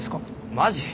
マジ？